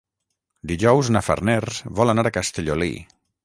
Dijous na Farners vol anar a Castellolí.